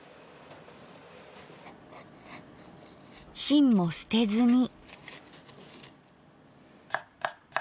芯も捨てずに。